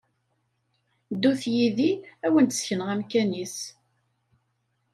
Ddut yid-i ad wen-d-sekneɣ amkan-is!